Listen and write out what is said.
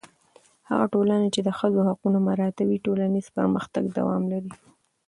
هغه ټولنه چې د ښځو حقونه مراعتوي، ټولنیز پرمختګ دوام لري.